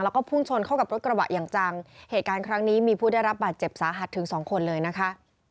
แล้วก็พุ่งชนเข้ากับรถกระบะอย่างจังเหตุการณ์ครั้งนี้มีผู้ได้รับบาดเจ็บสาหัสถึงสองคนเลยนะคะ